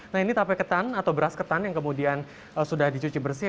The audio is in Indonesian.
nah ini tape ketan atau beras ketan yang kemudian sudah dicuci bersih